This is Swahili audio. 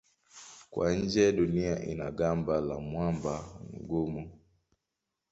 Kwa nje Dunia ina gamba la mwamba mgumu.